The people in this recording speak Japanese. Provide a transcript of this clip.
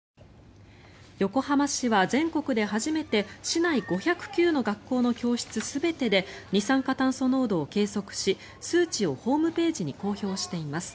横浜市は全国で初めて市内５０９の学校の教室全てで二酸化炭素濃度を計測し数値をホームページに公表しています。